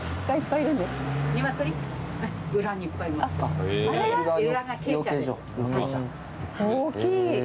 大きい。